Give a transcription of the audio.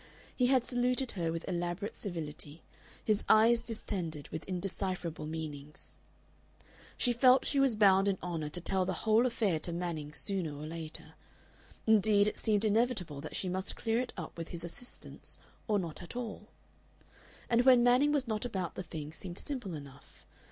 He had saluted her with elaborate civility, his eyes distended with indecipherable meanings. She felt she was bound in honor to tell the whole affair to Manning sooner or later. Indeed, it seemed inevitable that she must clear it up with his assistance, or not at all. And when Manning was not about the thing seemed simple enough.